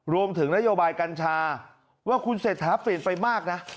รวมถึงนโยบายกัญชาว่าคุณเศรษฐาเปลี่ยนไปมากนะ